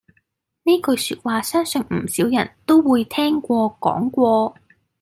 呢句說話相信唔少人都會聽過講過